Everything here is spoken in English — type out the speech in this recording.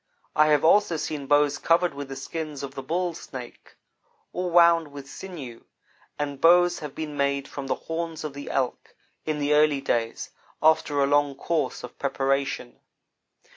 I have also seen bows covered with the skins of the bull snake, or wound with sinew, and bows have been made from the horns of the elk, in the early days, after a long course of preparation.